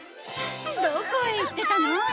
どこへ行ってたの？